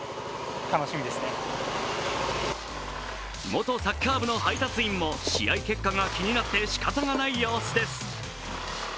元サッカー部の配達員も試合結果が気になってしかたがない様子です。